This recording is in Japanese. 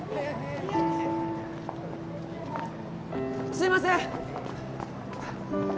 すいません！